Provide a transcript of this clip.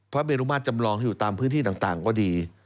พระเมรุมาตรจำลองที่อยู่ตามพื้นที่ต่างก็ดี